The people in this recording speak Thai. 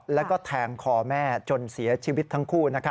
แล้วก็แทงคอแม่จนเสียชีวิตทั้งคู่